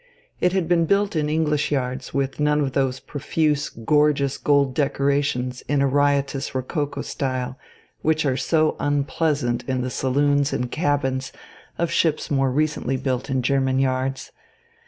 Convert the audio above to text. It had been built in English yards with none of those profuse, gorgeous gold decorations in a riotous rococo style which are so unpleasant in the saloons and cabins of ships more recently built in German yards.